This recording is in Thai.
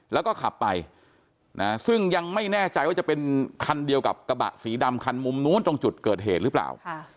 แล้วก็ขับไปซึ่งยังไม่แน่ใจว่าจะเป็นคันเดียวกับกระบะสีดำคันมุมนู้นตรงจุดเกิดเหตุหรือเปล่า